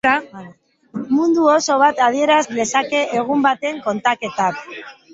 Mundu oso bat adieraz lezake egun baten kontaketak.